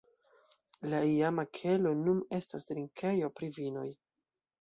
La iama kelo nun estas drinkejo pri vinoj.